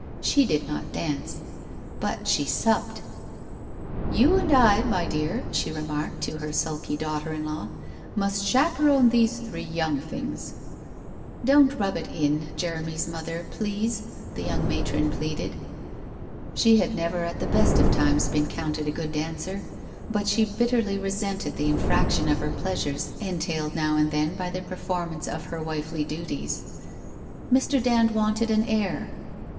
She did not dance — but she supped. ' You and I, my dear,' she remarked to her sulky daugh ter in law, ' must chaperon these three young things/ * Don't rub it in, Jeremy's mother, please/ the young WHITE ROSE OF WEARY LEAF 111 matron pleaded. She had never at the best of times been counted a good dancer, but she bitterly resented the in fraction of her pleasures entailed now and then by the performance of her wifely duties. Mr. Dand wanted an heir.